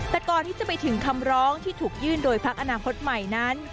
แต่ก่อนที่จะไปถึงคำร้องที่ถูกยื่นโดยพักอนาคตใหม่นั้น